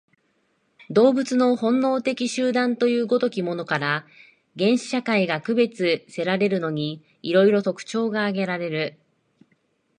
動物の本能的集団という如きものから、原始社会が区別せられるのに、色々特徴が挙げられる。